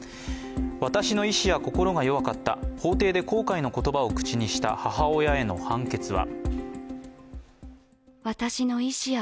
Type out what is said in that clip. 私の意思や心が弱かった、法廷で後悔の言葉を口にした母親への判決は。